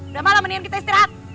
udah malam mendingan kita istirahat